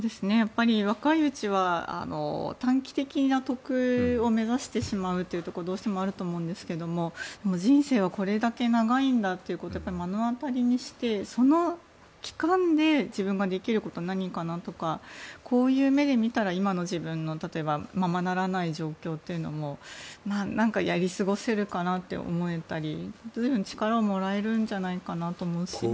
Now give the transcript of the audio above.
若いうちは短期的な得を目指してしまうことがどうしてもあると思うんですが人生はこれだけ長いんだということを目の当たりにして、その期間で自分ができることは何かなとかこういう目で見たら、今の自分の例えば今のままならない状況というのも何かやり過ごせるかなって思えたり力をもらえるんじゃないかなと思います。